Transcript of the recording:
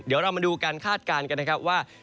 เดี๋ยวเรามาดูการคาดการณ์กันนะครับว่า